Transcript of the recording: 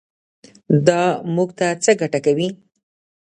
دا موږ ته څه ګټه کوي.